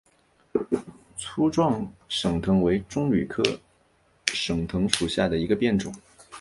粗壮省藤为棕榈科省藤属下的一个变种。